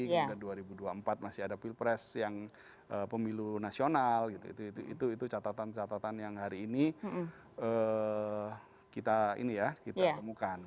kemudian dua ribu dua puluh empat masih ada pilpres yang pemilu nasional gitu itu catatan catatan yang hari ini kita ini ya kita temukan